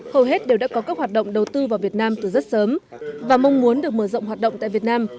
hầu hết đều đã có các hoạt động đầu tư vào việt nam từ rất sớm và mong muốn được mở rộng hoạt động tại việt nam